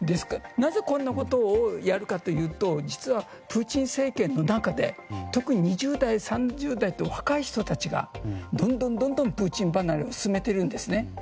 なぜ、こんなことをやるかというと実はプーチン政権の中で特に２０代、３０代と若い人たちのどんどんプーチン離れが進んでいるんですね。